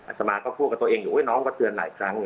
อาจจะมาก็พูดกับตัวเองอยู่น้องก็เตือนหลายครั้ง